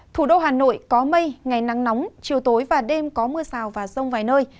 thủ đô hà nội có mây ngày nắng nóng chiều tối và đêm có mưa rào và rông vài nơi